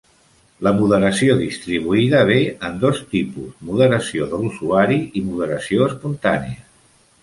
La moderació distribuïda ve en dos tipus: moderació de l'usuari i moderació espontània.